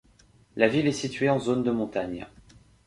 La ville est située en zone de montagne.